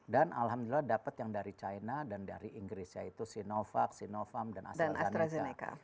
dan alhamdulillah dapat yang dari china dan dari inggris yaitu sinovac sinovac dan astrazeneca